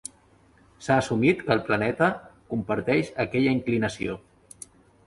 S"ha assumit que el planeta comparteix aquella inclinació.